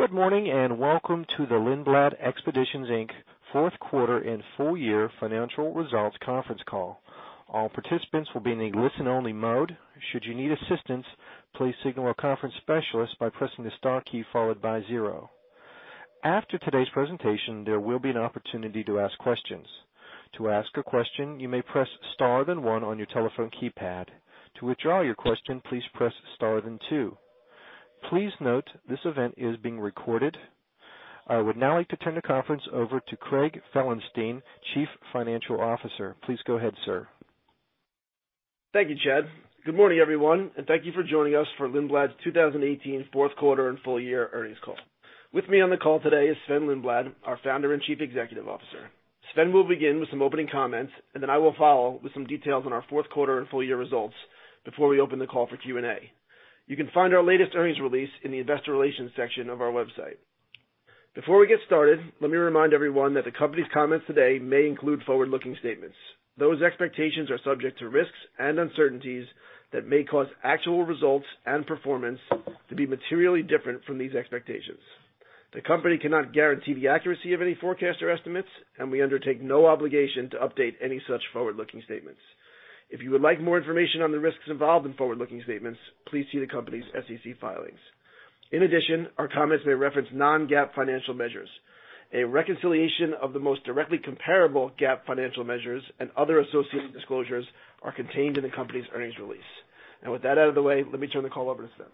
Good morning, and welcome to the Lindblad Expeditions, Inc. fourth quarter and full year financial results conference call. All participants will be in a listen-only mode. Should you need assistance, please signal a conference specialist by pressing the star key followed by zero. After today's presentation, there will be an opportunity to ask questions. To ask a question, you may press star then one on your telephone keypad. To withdraw your question, please press star then two. Please note, this event is being recorded. I would now like to turn the conference over to Craig Felenstein, Chief Financial Officer. Please go ahead, sir. Thank you, Chad. Good morning, everyone, and thank you for joining us for Lindblad's 2018 fourth quarter and full year earnings call. With me on the call today is Sven-Olof Lindblad, our founder and Chief Executive Officer. Sven will begin with some opening comments, then I will follow with some details on our fourth quarter and full year results before we open the call for Q&A. You can find our latest earnings release in the investor relations section of our website. Before we get started, let me remind everyone that the company's comments today may include forward-looking statements. Those expectations are subject to risks and uncertainties that may cause actual results and performance to be materially different from these expectations. The company cannot guarantee the accuracy of any forecast or estimates, and we undertake no obligation to update any such forward-looking statements. If you would like more information on the risks involved in forward-looking statements, please see the company's SEC filings. In addition, our comments may reference non-GAAP financial measures. A reconciliation of the most directly comparable GAAP financial measures and other associated disclosures are contained in the company's earnings release. With that out of the way, let me turn the call over to Sven.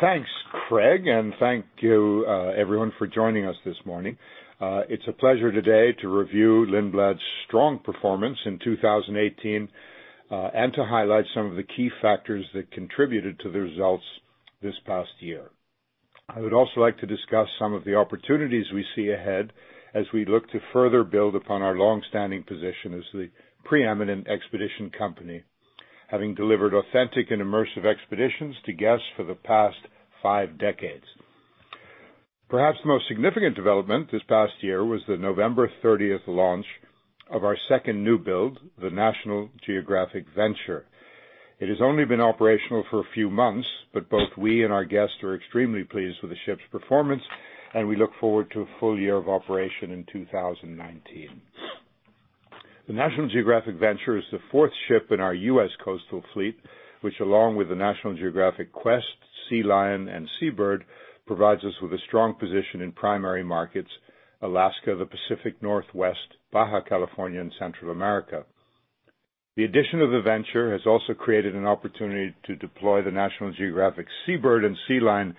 Thanks, Craig, and thank you, everyone, for joining us this morning. It's a pleasure today to review Lindblad's strong performance in 2018, and to highlight some of the key factors that contributed to the results this past year. I would also like to discuss some of the opportunities we see ahead as we look to further build upon our long-standing position as the preeminent expedition company, having delivered authentic and immersive expeditions to guests for the past five decades. Perhaps the most significant development this past year was the November 30th launch of our second new build, the National Geographic Venture. It has only been operational for a few months, but both we and our guests are extremely pleased with the ship's performance, and we look forward to a full year of operation in 2019. The National Geographic Venture is the fourth ship in our U.S. coastal fleet, which along with the National Geographic Quest, Sea Lion, and Sea Bird, provides us with a strong position in primary markets, Alaska, the Pacific Northwest, Baja California, and Central America. The addition of the Venture has also created an opportunity to deploy the National Geographic Sea Bird and Sea Lion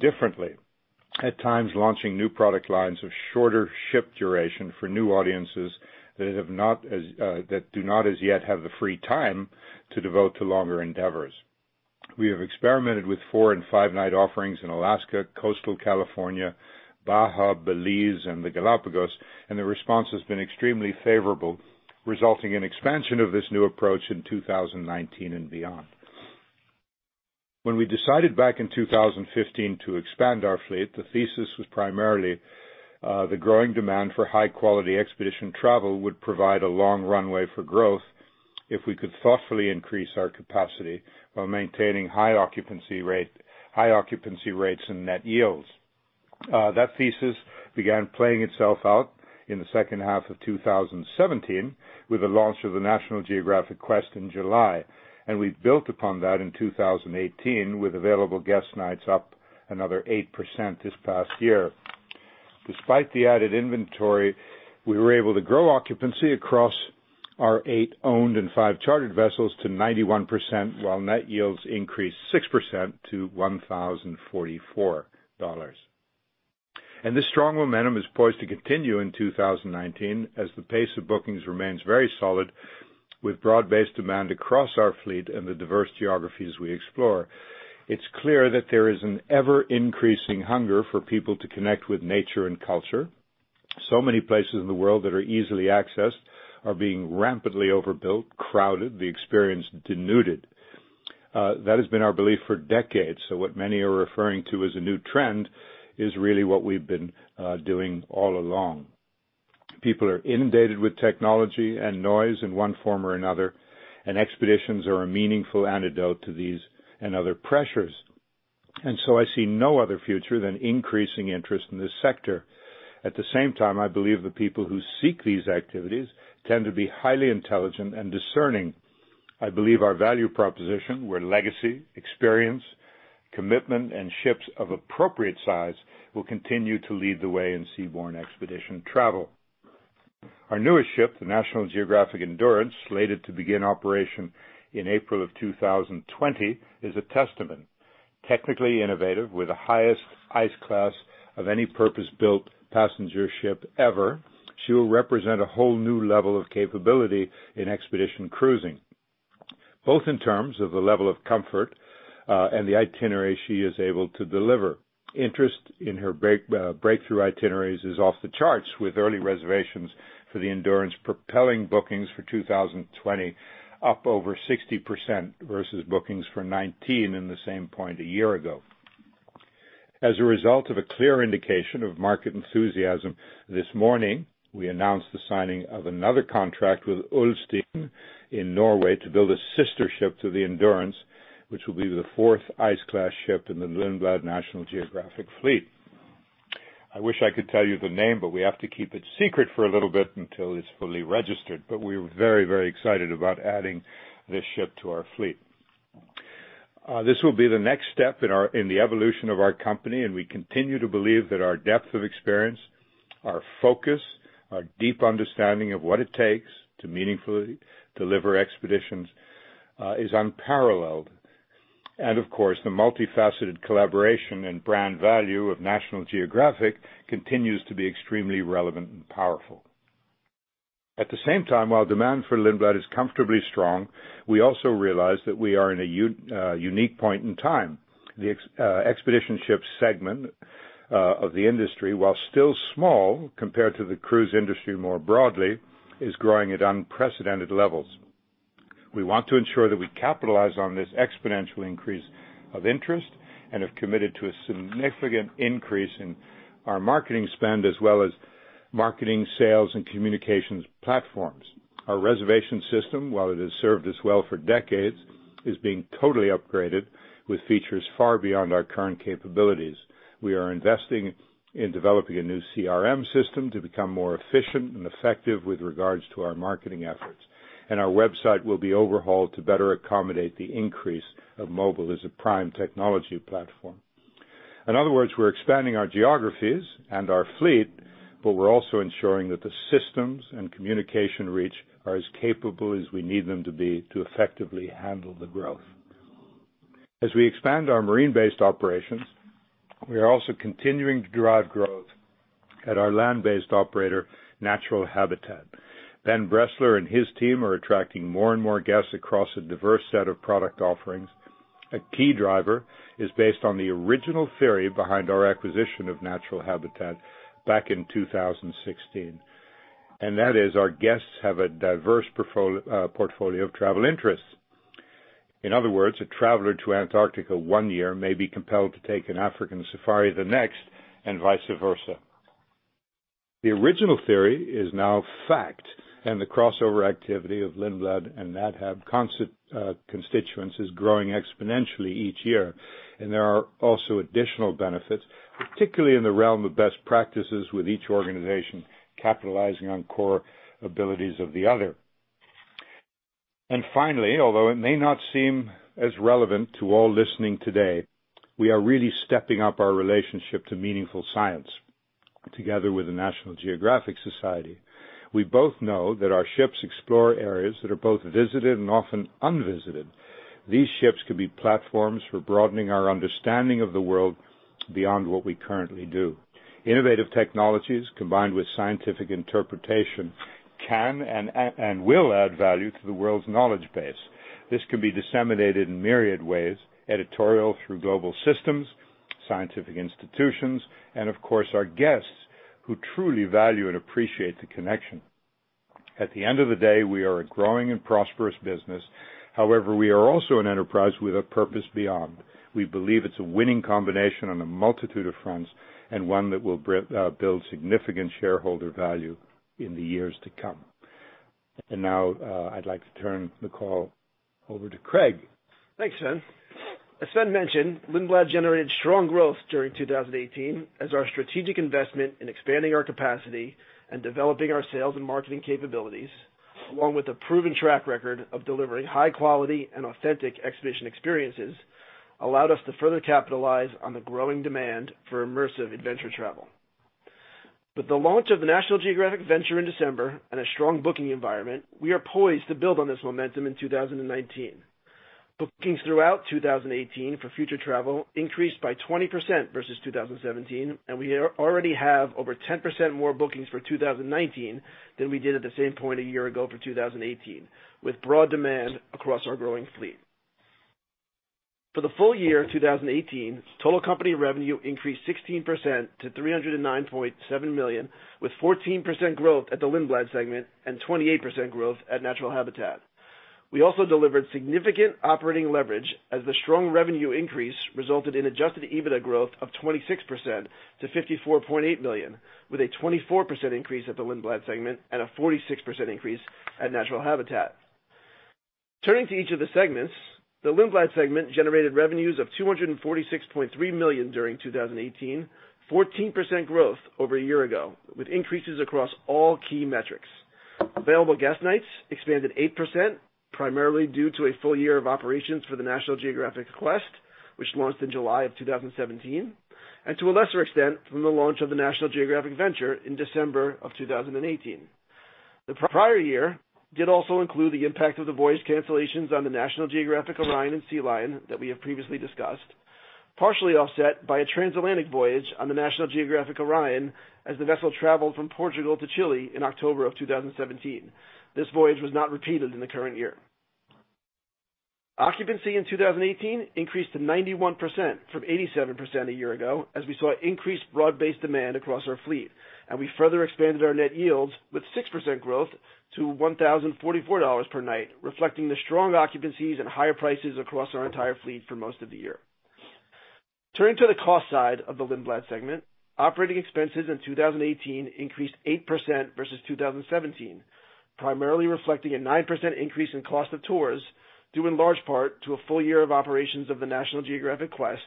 differently, at times launching new product lines of shorter ship duration for new audiences that do not as yet have the free time to devote to longer endeavors. We have experimented with four- and five-night offerings in Alaska, coastal California, Baja, Belize, and the Galapagos, and the response has been extremely favorable, resulting in expansion of this new approach in 2019 and beyond. When we decided back in 2015 to expand our fleet, the thesis was primarily the growing demand for high-quality expedition travel would provide a long runway for growth if we could thoughtfully increase our capacity while maintaining high occupancy rates and net yields. That thesis began playing itself out in the second half of 2017 with the launch of the National Geographic Quest in July, and we've built upon that in 2018 with available guest nights up another 8% this past year. Despite the added inventory, we were able to grow occupancy across our eight owned and five chartered vessels to 91%, while net yields increased 6% to $1,044. This strong momentum is poised to continue in 2019 as the pace of bookings remains very solid with broad-based demand across our fleet and the diverse geographies we explore. It's clear that there is an ever-increasing hunger for people to connect with nature and culture. So many places in the world that are easily accessed are being rampantly overbuilt, crowded, the experience denuded. That has been our belief for decades, so what many are referring to as a new trend is really what we've been doing all along. People are inundated with technology and noise in one form or another, and expeditions are a meaningful antidote to these and other pressures. I see no other future than increasing interest in this sector. At the same time, I believe the people who seek these activities tend to be highly intelligent and discerning. I believe our value proposition, where legacy, experience, commitment, and ships of appropriate size will continue to lead the way in seaborne expedition travel. Our newest ship, the National Geographic Endurance, slated to begin operation in April of 2020, is a testament. Technically innovative with the highest ice class of any purpose-built passenger ship ever, she will represent a whole new level of capability in expedition cruising, both in terms of the level of comfort and the itinerary she is able to deliver. Interest in her breakthrough itineraries is off the charts, with early reservations for the Endurance propelling bookings for 2020 up over 60% versus bookings for 2019 in the same point a year ago. As a result of a clear indication of market enthusiasm this morning, we announced the signing of another contract with Ulstein in Norway to build a sister ship to the Endurance, which will be the fourth ice-class ship in the Lindblad National Geographic Fleet. I wish I could tell you the name, but we have to keep it secret for a little bit until it's fully registered. We're very excited about adding this ship to our fleet. This will be the next step in the evolution of our company. We continue to believe that our depth of experience, our focus, our deep understanding of what it takes to meaningfully deliver expeditions is unparalleled. Of course, the multifaceted collaboration and brand value of National Geographic continues to be extremely relevant and powerful. At the same time, while demand for Lindblad is comfortably strong, we also realize that we are in a unique point in time. The expedition ship segment of the industry, while still small compared to the cruise industry more broadly, is growing at unprecedented levels. We want to ensure that we capitalize on this exponential increase of interest and have committed to a significant increase in our marketing spend as well as marketing, sales, and communications platforms. Our reservation system, while it has served us well for decades, is being totally upgraded with features far beyond our current capabilities. We are investing in developing a new CRM system to become more efficient and effective with regards to our marketing efforts. Our website will be overhauled to better accommodate the increase of mobile as a prime technology platform. In other words, we're expanding our geographies and our fleet. We're also ensuring that the systems and communication reach are as capable as we need them to be to effectively handle the growth. As we expand our marine-based operations, we are also continuing to drive growth at our land-based operator, Natural Habitat Adventures. Ben Bressler and his team are attracting more and more guests across a diverse set of product offerings. A key driver is based on the original theory behind our acquisition of Natural Habitat Adventures back in 2016. That is our guests have a diverse portfolio of travel interests. In other words, a traveler to Antarctica one year may be compelled to take an African safari the next, and vice versa. The original theory is now fact. The crossover activity of Lindblad and Nat Hab constituents is growing exponentially each year, and there are also additional benefits, particularly in the realm of best practices, with each organization capitalizing on core abilities of the other. Finally, although it may not seem as relevant to all listening today, we are really stepping up our relationship to meaningful science together with the National Geographic Society. We both know that our ships explore areas that are both visited and often unvisited. These ships could be platforms for broadening our understanding of the world beyond what we currently do. Innovative technologies, combined with scientific interpretation, can and will add value to the world's knowledge base. This can be disseminated in myriad ways, editorial through global systems, scientific institutions, and of course, our guests who truly value and appreciate the connection. At the end of the day, we are a growing and prosperous business. However, we are also an enterprise with a purpose beyond. We believe it's a winning combination on a multitude of fronts and one that will build significant shareholder value in the years to come. Now, I'd like to turn the call over to Craig. Thanks, Sven. As Sven mentioned, Lindblad generated strong growth during 2018 as our strategic investment in expanding our capacity and developing our sales and marketing capabilities, along with a proven track record of delivering high-quality and authentic expedition experiences, allowed us to further capitalize on the growing demand for immersive adventure travel. With the launch of the National Geographic Venture in December and a strong booking environment, we are poised to build on this momentum in 2019. We already have over 10% more bookings for 2019 than we did at the same point a year ago for 2018, with broad demand across our growing fleet. Bookings throughout 2018 for future travel increased by 20% versus 2017. For the full year 2018, total company revenue increased 16% to $309.7 million, with 14% growth at the Lindblad segment and 28% growth at Natural Habitat. We also delivered significant operating leverage as the strong revenue increase resulted in adjusted EBITDA growth of 26% to $54.8 million, with a 24% increase at the Lindblad segment and a 46% increase at Natural Habitat. Turning to each of the segments, the Lindblad segment generated revenues of $246.3 million during 2018, 14% growth over a year ago, with increases across all key metrics. Available guest nights expanded 8%, primarily due to a full year of operations for the National Geographic Quest, which launched in July of 2017, and to a lesser extent, from the launch of the National Geographic Venture in December of 2018. The prior year did also include the impact of the voyage cancellations on the National Geographic Orion and Sea Lion that we have previously discussed, partially offset by a transatlantic voyage on the National Geographic Orion as the vessel traveled from Portugal to Chile in October of 2017. This voyage was not repeated in the current year. Occupancy in 2018 increased to 91% from 87% a year ago as we saw increased broad-based demand across our fleet. We further expanded our net yields with 6% growth to $1,044 per night, reflecting the strong occupancies and higher prices across our entire fleet for most of the year. Turning to the cost side of the Lindblad segment, Operating Expenses in 2018 increased 8% versus 2017, primarily reflecting a 9% increase in cost of tours, due in large part to a full year of operations of the National Geographic Quest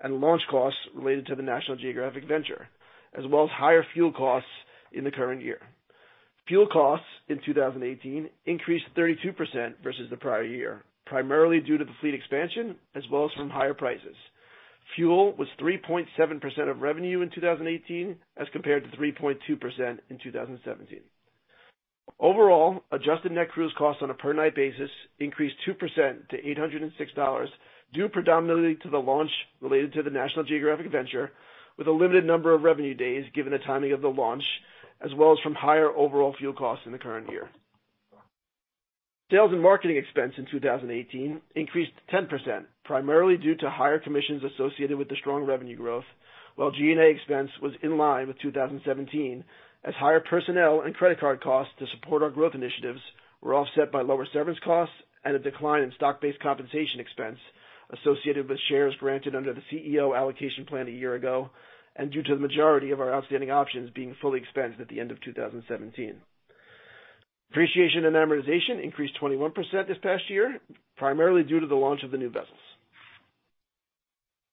and launch costs related to the National Geographic Venture, as well as higher fuel costs in the current year. Fuel costs in 2018 increased 32% versus the prior year, primarily due to the fleet expansion as well as from higher prices. Fuel was 3.7% of revenue in 2018 as compared to 3.2% in 2017. Overall, adjusted net cruise costs on a per night basis increased 2% to $806 due predominantly to the launch related to the National Geographic Venture, with a limited number of revenue days given the timing of the launch, as well as from higher overall fuel costs in the current year. Sales and marketing expense in 2018 increased 10%, primarily due to higher commissions associated with the strong revenue growth. While G&A expense was in line with 2017, as higher personnel and credit card costs to support our growth initiatives were offset by lower severance costs and a decline in stock-based compensation expense associated with shares granted under the CEO allocation plan a year ago, and due to the majority of our outstanding options being fully expensed at the end of 2017. Depreciation and amortization increased 21% this past year, primarily due to the launch of the new vessels.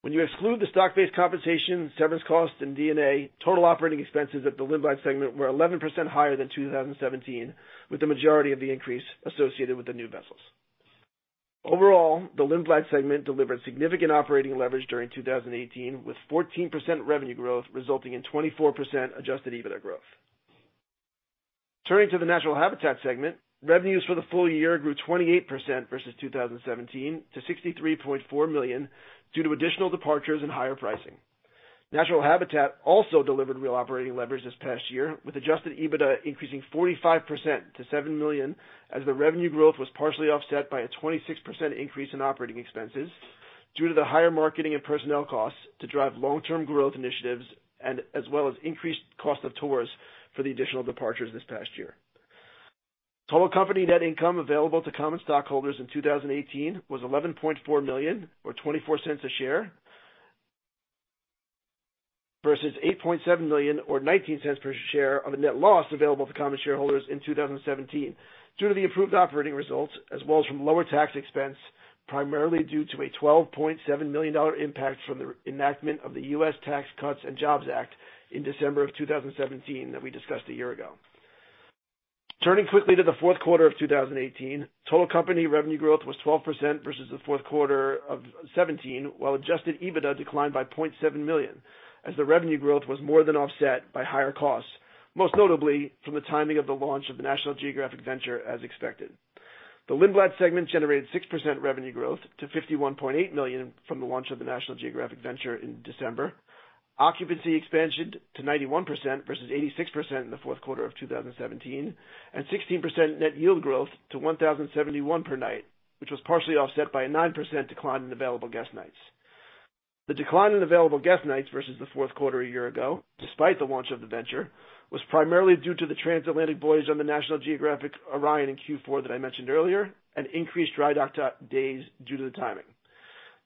When you exclude the stock-based compensation, severance costs, and D&A, total operating expenses at the Lindblad segment were 11% higher than 2017, with the majority of the increase associated with the new vessels. Overall, the Lindblad segment delivered significant operating leverage during 2018, with 14% revenue growth resulting in 24% adjusted EBITDA growth. Turning to the Natural Habitat segment, revenues for the full year grew 28% versus 2017 to $63.4 million due to additional departures and higher pricing. Natural Habitat also delivered real operating leverage this past year, with adjusted EBITDA increasing 45% to $7 million as the revenue growth was partially offset by a 26% increase in operating expenses due to the higher marketing and personnel costs to drive long-term growth initiatives and as well as increased cost of tours for the additional departures this past year. Total company net income available to common stockholders in 2018 was $11.4 million, or $0.24 a share, versus $8.7 million or $0.19 per share of a net loss available to common shareholders in 2017 due to the improved operating results as well as from lower tax expense, primarily due to a $12.7 million impact from the enactment of the U.S. Tax Cuts and Jobs Act in December of 2017 that we discussed a year ago. Turning quickly to the fourth quarter of 2018, total company revenue growth was 12% versus the fourth quarter of 2017, while adjusted EBITDA declined by $0.7 million as the revenue growth was more than offset by higher costs, most notably from the timing of the launch of the National Geographic Venture as expected. The Lindblad segment generated 6% revenue growth to $51.8 million from the launch of the National Geographic Venture in December. Occupancy expansion to 91% versus 86% in the fourth quarter of 2017 and 16% net yield growth to $1,071 per night, which was partially offset by a 9% decline in available guest nights. The decline in available guest nights versus the fourth quarter a year ago, despite the launch of the Venture, was primarily due to the transatlantic voyage on the National Geographic Orion in Q4 that I mentioned earlier, and increased dry dock days due to the timing.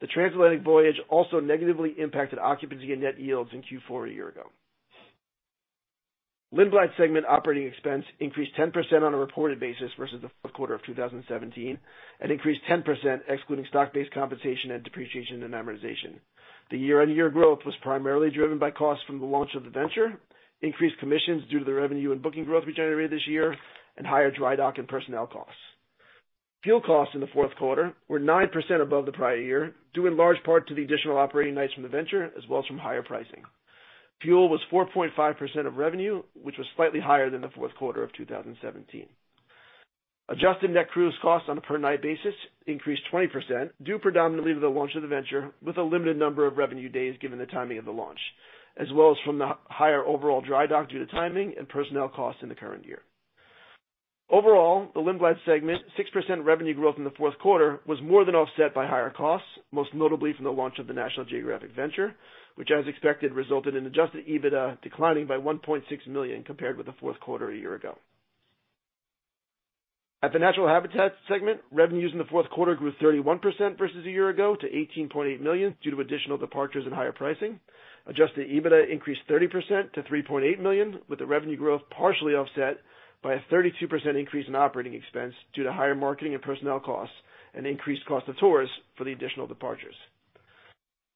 The transatlantic voyage also negatively impacted occupancy and net yields in Q4 a year ago. The Lindblad segment operating expense increased 10% on a reported basis versus the fourth quarter of 2017, and increased 10% excluding stock-based compensation and depreciation and amortization. The year-on-year growth was primarily driven by costs from the launch of the Venture, increased commissions due to the revenue and booking growth we generated this year, and higher dry dock and personnel costs. Fuel costs in the fourth quarter were 9% above the prior year, due in large part to the additional operating nights from the Venture as well as from higher pricing. Fuel was 4.5% of revenue, which was slightly higher than the fourth quarter of 2017. Adjusted net cruise costs on a per night basis increased 20%, due predominantly to the launch of the Venture, with a limited number of revenue days given the timing of the launch, as well as from the higher overall dry dock due to timing and personnel costs in the current year. The Lindblad segment 6% revenue growth in the fourth quarter was more than offset by higher costs, most notably from the launch of the National Geographic Venture, which as expected resulted in adjusted EBITDA declining by $1.6 million compared with the fourth quarter a year ago. At the Natural Habitat segment, revenues in the fourth quarter grew 31% versus a year ago to $18.8 million due to additional departures and higher pricing. Adjusted EBITDA increased 30% to $3.8 million, with the revenue growth partially offset by a 32% increase in Operating Expense due to higher marketing and personnel costs and increased cost of tours for the additional departures.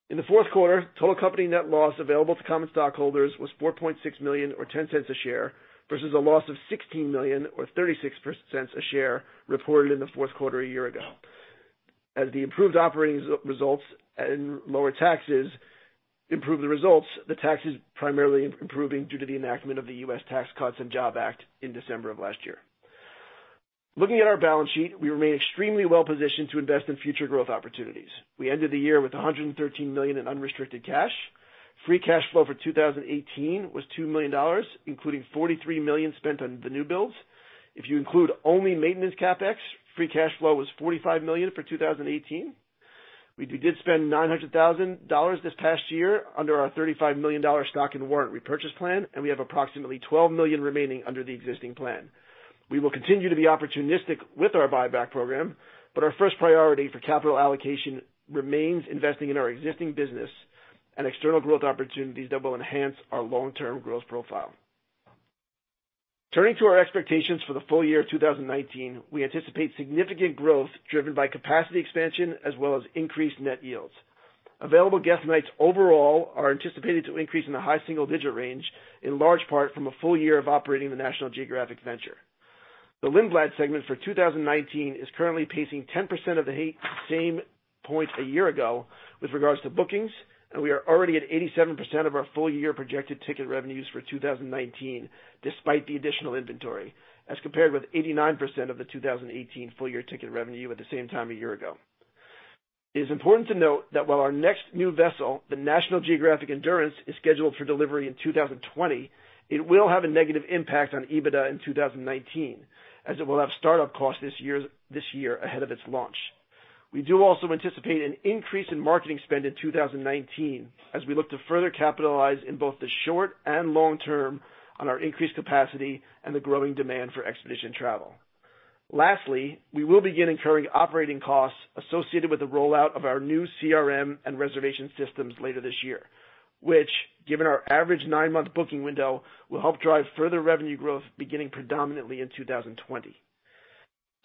In the fourth quarter, total company net loss available to common stockholders was $4.6 million or $0.10 a share, versus a loss of $16 million or $0.36 a share reported in the fourth quarter a year ago. As the improved operating results and lower taxes improved the results, the taxes primarily improving due to the enactment of the U.S. Tax Cuts and Jobs Act in December of last year. Looking at our balance sheet, we remain extremely well positioned to invest in future growth opportunities. We ended the year with $113 million in unrestricted cash. Free cash flow for 2018 was $2 million, including $43 million spent on the new builds. If you include only maintenance CapEx, free cash flow was $45 million for 2018. We did spend $900,000 this past year under our $35 million stock and warrant repurchase plan, and we have approximately $12 million remaining under the existing plan. We will continue to be opportunistic with our buyback program, but our first priority for capital allocation remains investing in our existing business and external growth opportunities that will enhance our long-term growth profile. Turning to our expectations for the full year 2019, we anticipate significant growth driven by capacity expansion as well as increased net yields. Available guest nights overall are anticipated to increase in the high single-digit range, in large part from a full year of operating the National Geographic Venture. The Lindblad segment for 2019 is currently pacing 10% of the same points a year ago with regards to bookings, and we are already at 87% of our full-year projected ticket revenues for 2019, despite the additional inventory, as compared with 89% of the 2018 full-year ticket revenue at the same time a year ago. It is important to note that while our next new vessel, the National Geographic Endurance, is scheduled for delivery in 2020, it will have a negative impact on EBITDA in 2019, as it will have startup costs this year ahead of its launch. We do also anticipate an increase in marketing spend in 2019 as we look to further capitalize in both the short and long term on our increased capacity and the growing demand for expedition travel. We will begin incurring operating costs associated with the rollout of our new CRM and reservation systems later this year, which, given our average nine-month booking window, will help drive further revenue growth beginning predominantly in 2020.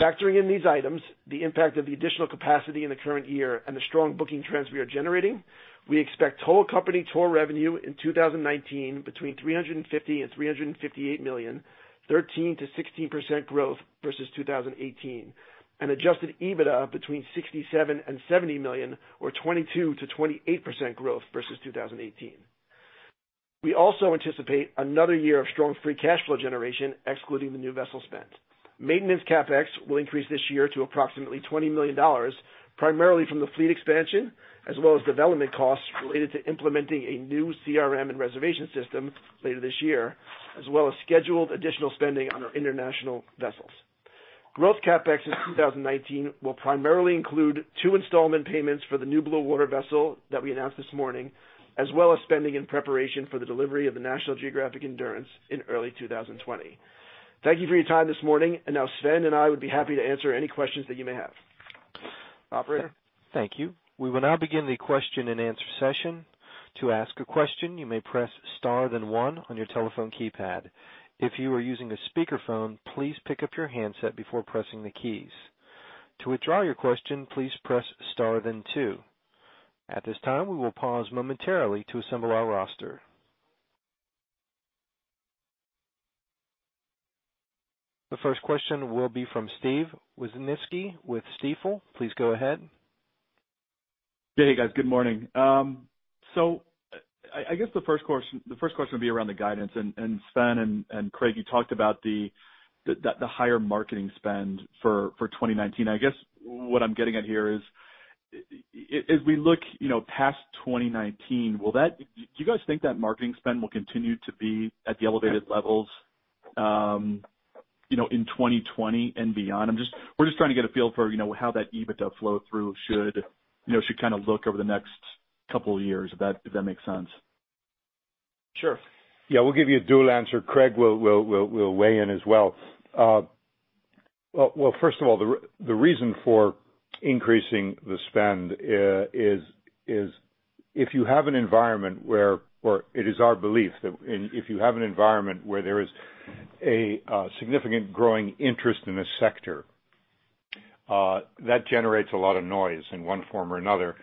Factoring in these items, the impact of the additional capacity in the current year, and the strong booking trends we are generating, we expect total company tour revenue in 2019 between $350 million and $358 million, 13%-16% growth versus 2018, and adjusted EBITDA between $67 million and $70 million, or 22%-28% growth versus 2018. We also anticipate another year of strong free cash flow generation, excluding the new vessel spend. Maintenance CapEx will increase this year to approximately $20 million, primarily from the fleet expansion, as well as development costs related to implementing a new CRM and reservation system later this year, as well as scheduled additional spending on our international vessels. Growth CapEx in 2019 will primarily include two installment payments for the new blue water vessel that we announced this morning, as well as spending in preparation for the delivery of the National Geographic Endurance in early 2020. Thank you for your time this morning. Now Sven and I would be happy to answer any questions that you may have. Operator? Thank you. We will now begin the question and answer session. To ask a question, you may press star then one on your telephone keypad. If you are using a speakerphone, please pick up your handset before pressing the keys. To withdraw your question, please press star then two. At this time, we will pause momentarily to assemble our roster. The first question will be from Steve Wieczynski with Stifel. Please go ahead. Hey, guys. Good morning. I guess the first question would be around the guidance, and Sven and Craig, you talked about the higher marketing spend for 2019. I guess what I'm getting at here is, as we look past 2019, do you guys think that marketing spend will continue to be at the elevated levels in 2020 and beyond? We're just trying to get a feel for how that EBITDA flow through should kind of look over the next couple of years, if that makes sense. Sure. Yeah, we'll give you a dual answer. Craig will weigh in as well. First of all, the reason for increasing the spend is if you have an environment where it is our belief that if you have an environment where there is a significant growing interest in this sector, that generates a lot of noise in one form or another.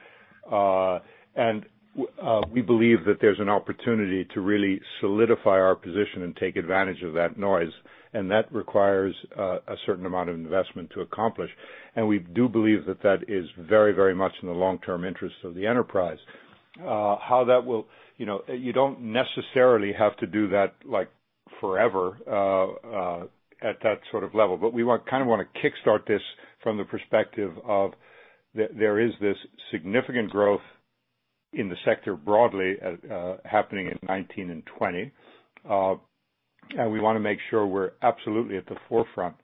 We believe that there's an opportunity to really solidify our position and take advantage of that noise, and that requires a certain amount of investment to accomplish. We do believe that that is very much in the long-term interests of the enterprise. You don't necessarily have to do that forever at that sort of level. We kind of want to kickstart this from the perspective of there is this significant growth in the sector broadly happening in 2019 and 2020. We want to make sure we're absolutely at the forefront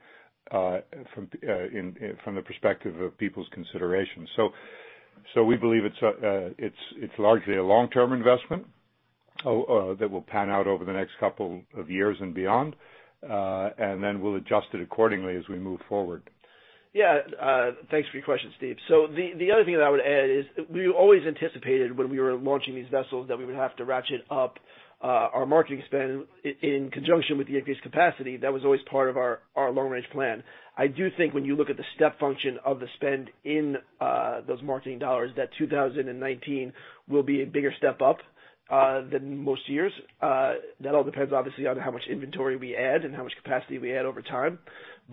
from the perspective of people's considerations. We believe it's largely a long-term investment that will pan out over the next couple of years and beyond. We'll adjust it accordingly as we move forward. Yeah. Thanks for your question, Steve. The other thing that I would add is we always anticipated when we were launching these vessels that we would have to ratchet up our marketing spend in conjunction with the increased capacity. That was always part of our long-range plan. I do think when you look at the step function of the spend in those marketing dollars, that 2019 will be a bigger step up than most years. That all depends, obviously, on how much inventory we add and how much capacity we add over time.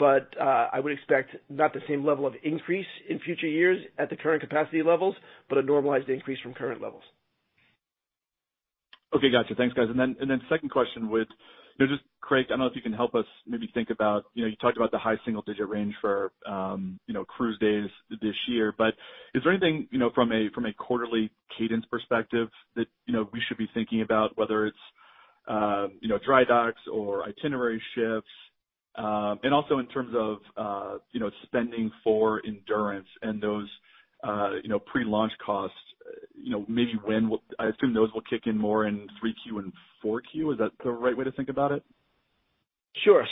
I would expect not the same level of increase in future years at the current capacity levels, but a normalized increase from current levels. Okay, got you. Thanks, guys. Second question with, just Craig, I don't know if you can help us maybe think about, you talked about the high single-digit range for cruise days this year, is there anything from a quarterly cadence perspective that we should be thinking about, whether it's dry docks or itinerary shifts? Also in terms of spending for Endurance and those pre-launch costs, I assume those will kick in more in 3Q and 4Q. Is that the right way to think about it? Sure.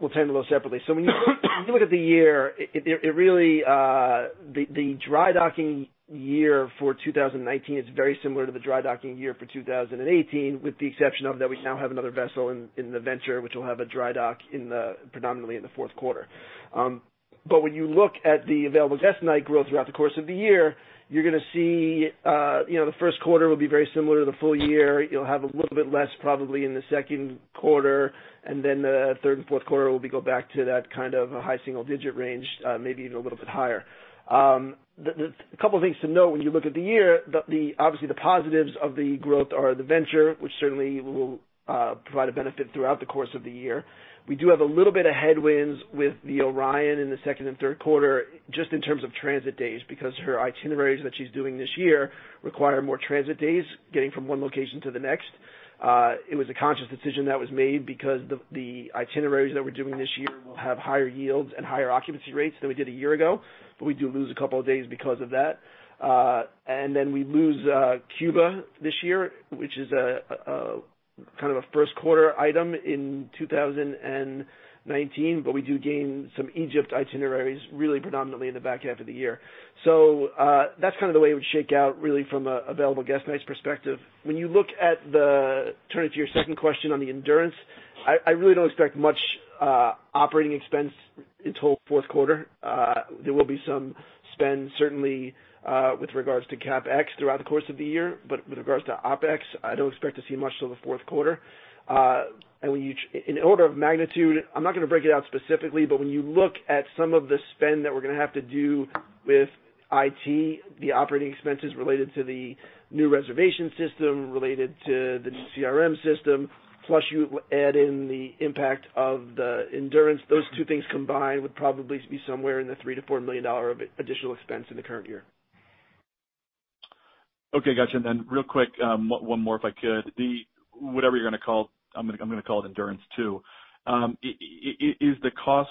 We'll tackle those separately. When you look at the year, the dry docking year for 2019 is very similar to the dry docking year for 2018, with the exception of that we now have another vessel in the Venture, which will have a dry dock predominantly in the fourth quarter. When you look at the available guest night growth throughout the course of the year, you're going to see the first quarter will be very similar to the full year. You'll have a little bit less, probably in the second quarter, and the third and fourth quarter will go back to that high single-digit range, maybe even a little bit higher. A couple things to note when you look at the year. Obviously, the positives of the growth are the Venture, which certainly will provide a benefit throughout the course of the year. We do have a little bit of headwinds with the Orion in the second and third quarter, just in terms of transit days, because her itineraries that she's doing this year require more transit days, getting from one location to the next. It was a conscious decision that was made because the itineraries that we're doing this year will have higher yields and higher occupancy rates than we did a year ago. We do lose a couple of days because of that. We lose Cuba this year, which is a first quarter item in 2019, we do gain some Egypt itineraries, really predominantly in the back half of the year. That's the way it would shake out, really, from an available guest nights perspective. Turning to your second question on the Endurance, I really don't expect much Operating Expense until fourth quarter. There will be some spend, certainly, with regards to CapEx throughout the course of the year, but with regards to OpEx, I don't expect to see much till the fourth quarter. In order of magnitude, I'm not going to break it out specifically, but when you look at some of the spend that we're going to have to do with IT, the Operating Expenses related to the new reservation system, related to the CRM system, plus you add in the impact of the Endurance, those two things combined would probably be somewhere in the $3 million-$4 million of additional expense in the current year. Okay, got you. Then real quick, one more, if I could. The, whatever you're going to call I'm going to call it Endurance Two. Is the cost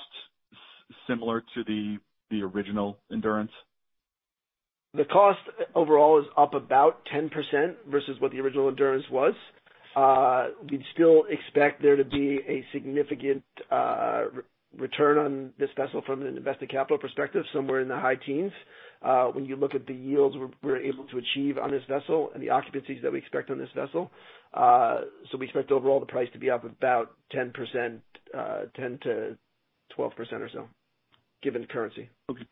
similar to the original Endurance? The cost overall is up about 10% versus what the original Endurance was. We'd still expect there to be a significant return on this vessel from an invested capital perspective, somewhere in the high teens, when you look at the yields we're able to achieve on this vessel and the occupancies that we expect on this vessel. We expect overall the price to be up about 10%-12% or so, given currency. Okay.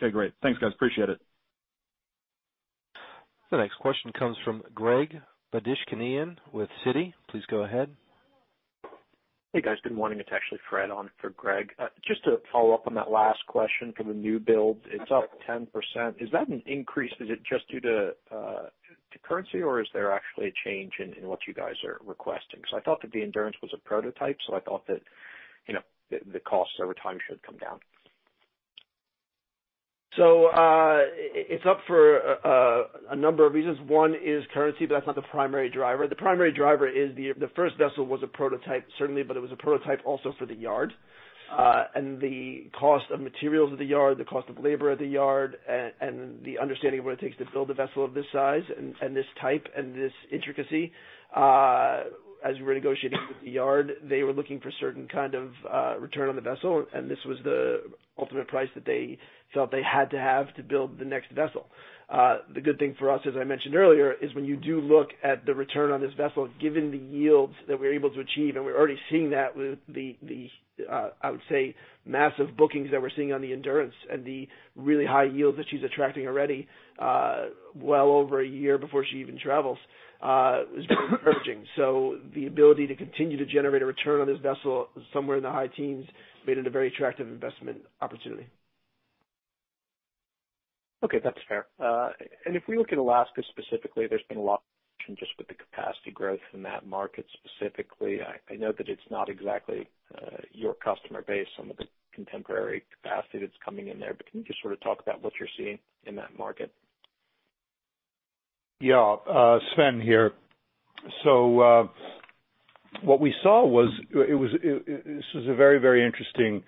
Okay, great. Thanks, guys. Appreciate it. The next question comes from Greg Badishkanian with Citi. Please go ahead. Hey, guys. Good morning. It's actually Fred on for Greg. Just to follow up on that last question for the new build. It's up 10%. Is that an increase? Is it just due to currency, or is there actually a change in what you guys are requesting? Because I thought that the Endurance was a prototype, so I thought that the costs over time should come down. It's up for a number of reasons. One is currency, but that's not the primary driver. The primary driver is the first vessel was a prototype, certainly, but it was a prototype also for the yard. The cost of materials at the yard, the cost of labor at the yard, and the understanding of what it takes to build a vessel of this size and this type and this intricacy, as we were negotiating with the yard, they were looking for a certain kind of return on the vessel, and this was the ultimate price that they felt they had to have to build the next vessel. The good thing for us, as I mentioned earlier, is when you do look at the return on this vessel, given the yields that we're able to achieve, and we're already seeing that with the, I would say, massive bookings that we're seeing on the Endurance and the really high yields that she's attracting already, well over a year before she even travels, is very encouraging. The ability to continue to generate a return on this vessel somewhere in the high teens made it a very attractive investment opportunity. Okay. That's fair. If we look at Alaska specifically, there's been a lot just with the capacity growth in that market specifically. I know that it's not exactly your customer base, some of the contemporary capacity that's coming in there, but can you just sort of talk about what you're seeing in that market? Yeah. Sven here. What we saw was this was a very interesting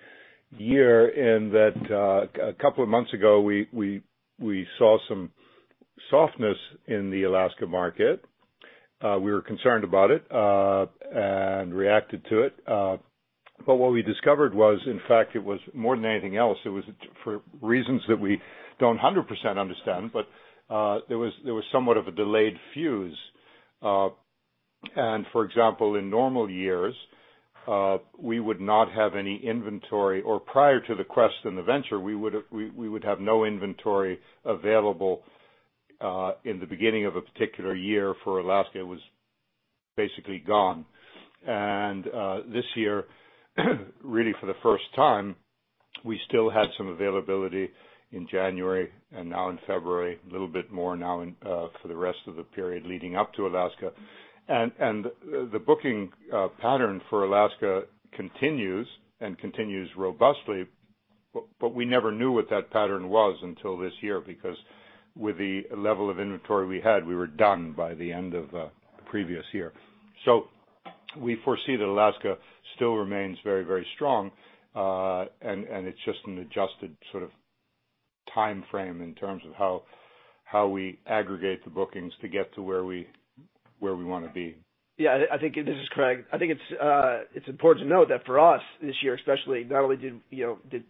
year in that a couple of months ago, we saw some softness in the Alaska market. We were concerned about it, and reacted to it. What we discovered was, in fact, it was more than anything else, it was for reasons that we don't 100% understand, but there was somewhat of a delayed fuse. For example, in normal years, we would not have any inventory, or prior to the Quest and the Venture, we would have no inventory available in the beginning of a particular year for Alaska. It was basically gone. This year really for the first time, we still had some availability in January and now in February, a little bit more now for the rest of the period leading up to Alaska. The booking pattern for Alaska continues and continues robustly, but we never knew what that pattern was until this year, because with the level of inventory we had, we were done by the end of the previous year. We foresee that Alaska still remains very strong, and it's just an adjusted sort of-Timeframe in terms of how we aggregate the bookings to get to where we want to be. Yeah. This is Craig. I think it's important to note that for us this year especially, not only did,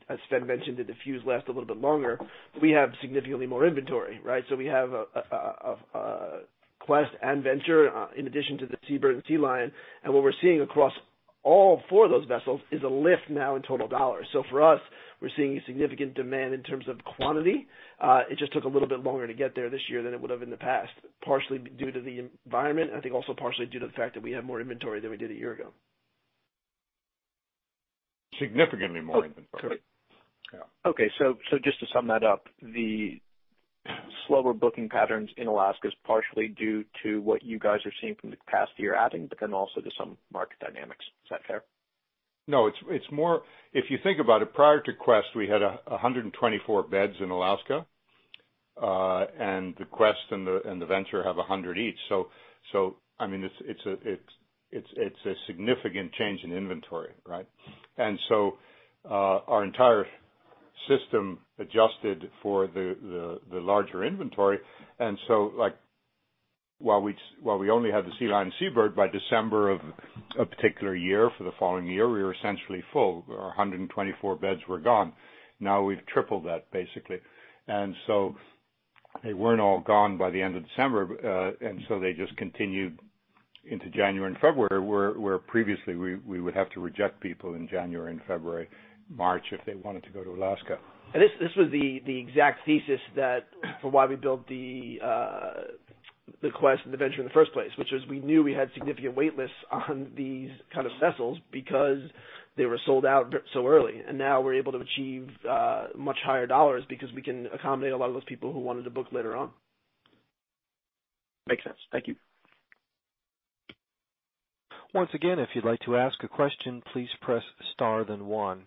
as Sven mentioned, the delayed fuse last a little bit longer, but we have significantly more inventory, right? We have Quest and Venture, in addition to the Sea Bird and Sea Lion, and what we're seeing across all four of those vessels is a lift now in total dollars. For us, we're seeing a significant demand in terms of quantity. It just took a little bit longer to get there this year than it would have in the past, partially due to the environment, and I think also partially due to the fact that we have more inventory than we did a year ago. Significantly more inventory. Correct. Yeah. Just to sum that up, the slower booking patterns in Alaska is partially due to what you guys are seeing from the past year, I think, but then also to some market dynamics. Is that fair? No. If you think about it, prior to Quest, we had 124 beds in Alaska. The Quest and the Venture have 100 each. It's a significant change in inventory, right? Our entire system adjusted for the larger inventory, and so while we only had the Sea Lion and Sea Bird by December of a particular year for the following year, we were essentially full. Our 124 beds were gone. Now we've tripled that, basically. They weren't all gone by the end of December, and so they just continued into January and February, where previously, we would have to reject people in January and February, March, if they wanted to go to Alaska. This was the exact thesis for why we built the Quest and the Venture in the first place, which was we knew we had significant wait lists on these kind of vessels because they were sold out so early. Now we're able to achieve much higher dollars because we can accommodate a lot of those people who wanted to book later on. Makes sense. Thank you. Once again, if you'd like to ask a question, please press star then one.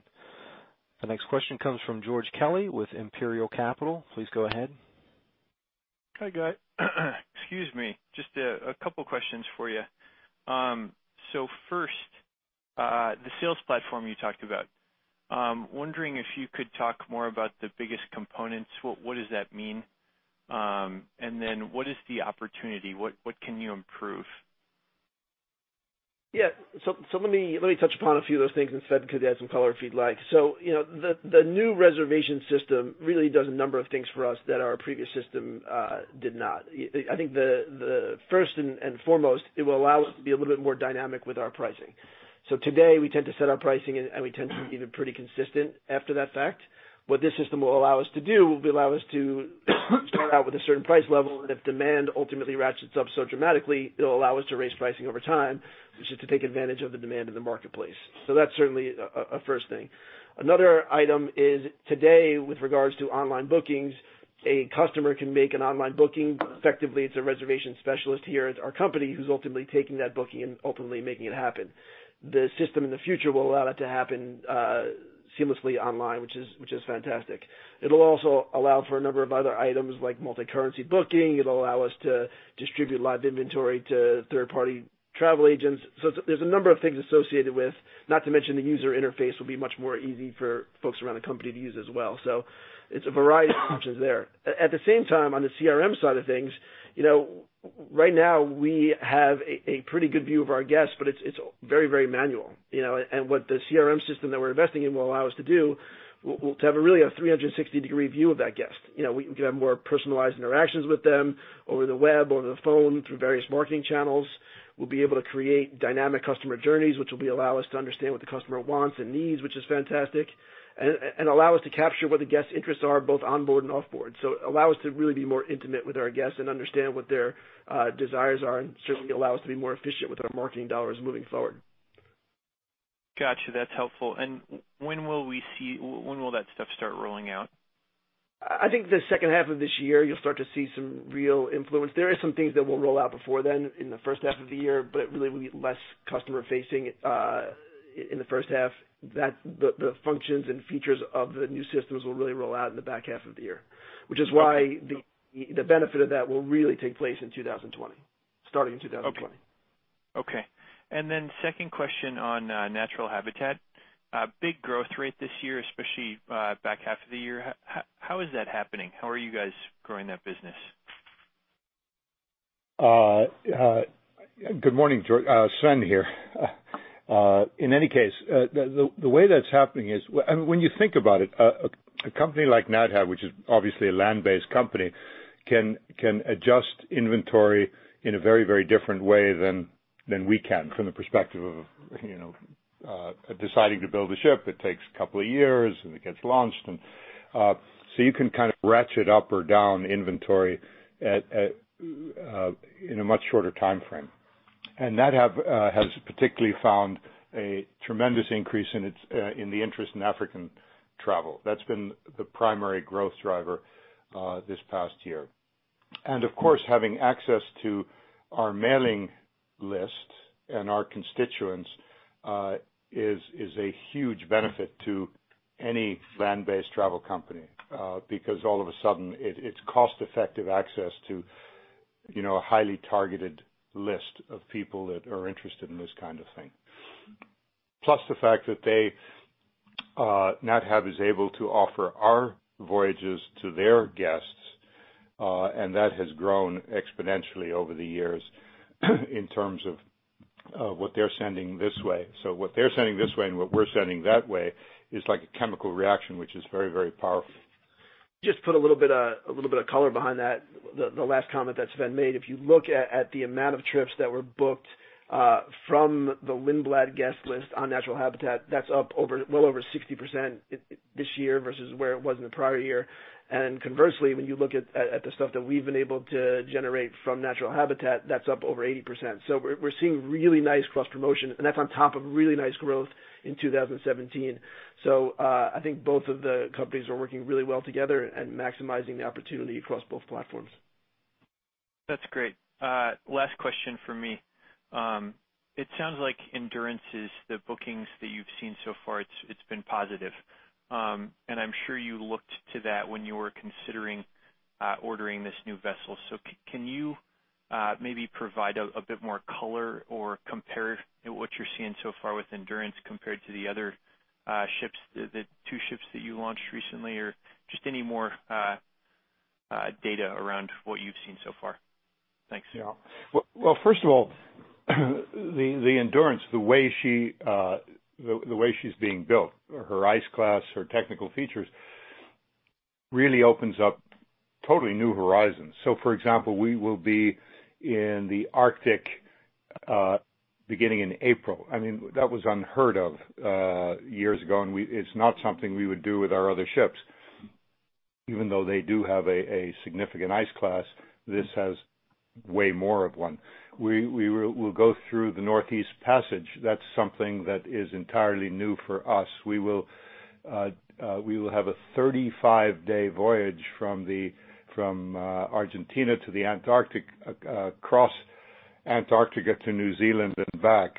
The next question comes from George Kelly with Imperial Capital. Please go ahead. Hi, guys. Excuse me. Just a couple questions for you. First, the sales platform you talked about. Wondering if you could talk more about the biggest components. What does that mean? Then what is the opportunity? What can you improve? Yeah. Let me touch upon a few of those things, and Sven could add some color if he'd like. The new reservation system really does a number of things for us that our previous system did not. I think the first and foremost, it will allow us to be a little bit more dynamic with our pricing. Today, we tend to set our pricing and we tend to be pretty consistent after that fact. What this system will allow us to do, will allow us to start out with a certain price level, and if demand ultimately ratchets up so dramatically, it'll allow us to raise pricing over time, which is to take advantage of the demand in the marketplace. That's certainly a first thing. Another item is today, with regards to online bookings, a customer can make an online booking, but effectively, it's a reservation specialist here at our company who's ultimately taking that booking and openly making it happen. The system in the future will allow that to happen seamlessly online, which is fantastic. It'll also allow for a number of other items like multi-currency booking. It'll allow us to distribute live inventory to third-party travel agents. There's a number of things associated with, not to mention the user interface will be much more easy for folks around the company to use as well. It's a variety of functions there. At the same time, on the CRM side of things, right now we have a pretty good view of our guests, but it's very manual. What the CRM system that we're investing in will allow us to do, we'll have really a 360-degree view of that guest. We can have more personalized interactions with them over the web, over the phone, through various marketing channels. We'll be able to create dynamic customer journeys, which will allow us to understand what the customer wants and needs, which is fantastic, and allow us to capture what the guest's interests are, both onboard and off board. Allow us to really be more intimate with our guests and understand what their desires are, and certainly allow us to be more efficient with our marketing dollars moving forward. Got you. That's helpful. When will that stuff start rolling out? I think the second half of this year, you'll start to see some real influence. There are some things that we'll roll out before then in the first half of the year, but really will be less customer-facing in the first half. The functions and features of the new systems will really roll out in the back half of the year. Okay. Which is why the benefit of that will really take place in 2020, starting in 2020. Then second question on Natural Habitat. Big growth rate this year, especially back half of the year. How is that happening? How are you guys growing that business? Good morning. Sven here. In any case, the way that's happening is, when you think about it, a company like Nat Hab, which is obviously a land-based company, can adjust inventory in a very different way than we can from the perspective of deciding to build a ship. It takes a couple of years, and it gets launched. You can kind of ratchet up or down inventory in a much shorter timeframe. Nat Hab has particularly found a tremendous increase in the interest in African travel. That's been the primary growth driver this past year. Of course, having access to our mailing list and our constituents is a huge benefit to any land-based travel company. All of a sudden it's cost-effective access to a highly targeted list of people that are interested in this kind of thing. Plus the fact that Nat Hab is able to offer our voyages to their guests, that has grown exponentially over the years in terms of what they're sending this way. What they're sending this way and what we're sending that way is like a chemical reaction, which is very, very powerful. Just put a little bit of color behind that, the last comment that Sven made. If you look at the amount of trips that were booked from the Lindblad guest list on Natural Habitat, that's up well over 60% this year versus where it was in the prior year. Conversely, when you look at the stuff that we've been able to generate from Natural Habitat, that's up over 80%. We're seeing really nice cross-promotion, that's on top of really nice growth in 2017. I think both of the companies are working really well together and maximizing the opportunity across both platforms. That's great. Last question from me. It sounds like Endurance is the bookings that you've seen so far, it's been positive. I'm sure you looked to that when you were considering ordering this new vessel. Can you maybe provide a bit more color or compare what you're seeing so far with Endurance compared to the other two ships that you launched recently? Or just any more data around what you've seen so far. Thanks. Yeah. Well, first of all, the Endurance, the way she's being built, her ice class, her technical features, really opens up totally new horizons. For example, we will be in the Arctic, beginning in April. I mean, that was unheard of years ago, it's not something we would do with our other ships. Even though they do have a significant ice class, this has way more of one. We'll go through the Northeast Passage. That's something that is entirely new for us. We will have a 35-day voyage from Argentina to the Antarctic, across Antarctica to New Zealand and back.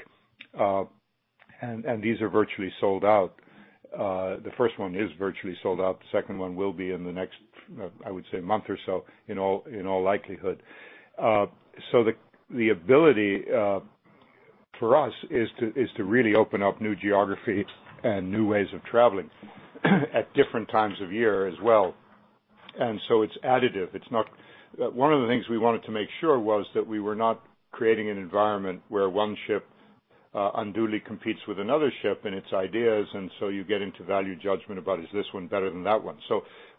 These are virtually sold out. The first one is virtually sold out. The second one will be in the next, I would say, month or so, in all likelihood. The ability for us is to really open up new geography and new ways of traveling at different times of year as well. It's additive. One of the things we wanted to make sure was that we were not creating an environment where one ship unduly competes with another ship and its ideas, you get into value judgment about, is this one better than that one?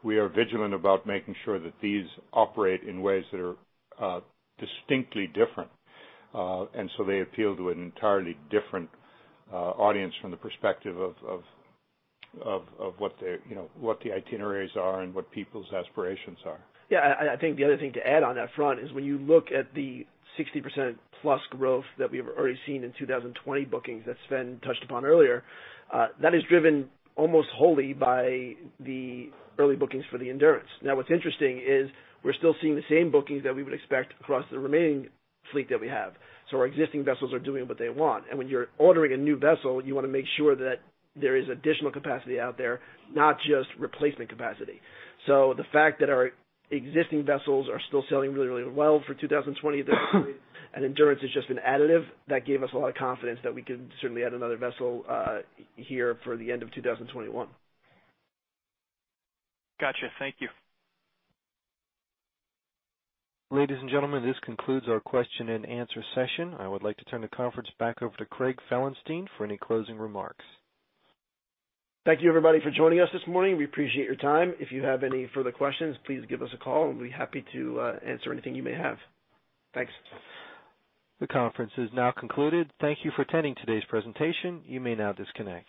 We are vigilant about making sure that these operate in ways that are distinctly different. They appeal to an entirely different audience from the perspective of what the itineraries are and what people's aspirations are. Yeah, I think the other thing to add on that front is when you look at the 60%-plus growth that we've already seen in 2020 bookings that Sven touched upon earlier, that is driven almost wholly by the early bookings for the Endurance. What's interesting is we're still seeing the same bookings that we would expect across the remaining fleet that we have. Our existing vessels are doing what they want. When you're ordering a new vessel, you want to make sure that there is additional capacity out there, not just replacement capacity. The fact that our existing vessels are still selling really, really well for 2020 and Endurance is just an additive, that gave us a lot of confidence that we could certainly add another vessel here for the end of 2021. Gotcha. Thank you. Ladies and gentlemen, this concludes our question and answer session. I would like to turn the conference back over to Craig Felenstein for any closing remarks. Thank you, everybody, for joining us this morning. We appreciate your time. If you have any further questions, please give us a call and we'd be happy to answer anything you may have. Thanks. The conference is now concluded. Thank you for attending today's presentation. You may now disconnect.